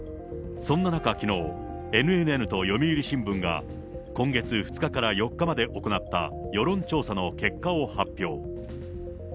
そんな中、きのう、ＮＮＮと読売新聞が今月２日から４日まで行った世論調査の結果を発表。